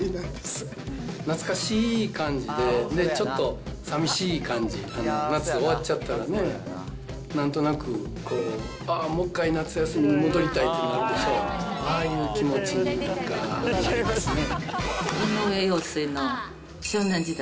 懐かしい感じで、ちょっと寂しい感じ、夏終わっちゃったらね、なんとなく、こう、ああ、もう一回夏休みに戻りたいというのがあるでしょ、ああいう気持ち井上陽水の少年時代。